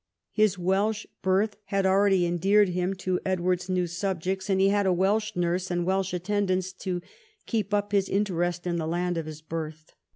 His Welsh birth had already endeared him to Edward's new subjects, and he had a Welsh nurse and Welsh attendants to keep up his interest in the land of his birth.